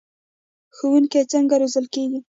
ښوونکي څنګه روزل کیږي؟